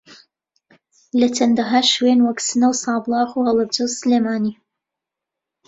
لە چەندەھا شوێن وەک سنە و سابڵاخ و ھەڵەبجە و سلێمانی